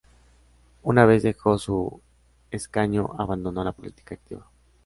Una vez dejó su escaño, abandonó la política activa.